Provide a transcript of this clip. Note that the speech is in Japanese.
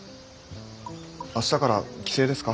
明日から帰省ですか？